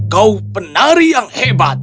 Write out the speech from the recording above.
kau penari yang hebat